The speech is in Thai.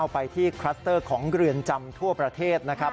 ไปที่คลัสเตอร์ของเรือนจำทั่วประเทศนะครับ